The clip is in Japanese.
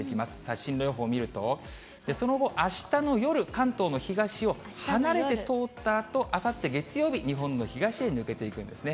進路予想を見ると、その後、あしたの夜、関東の東を離れて通ったあと、あさって月曜日、日本の東へ抜けていくんですね。